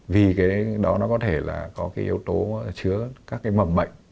vì đó có thể là có yếu tố chứa các mẩm bệnh